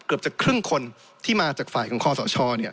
เกือบจะครึ่งคนที่มาจากฝ่ายของคอสช